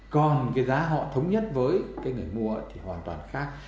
còn cái giá họ thống nhất với cái người mua thì hoàn toàn khác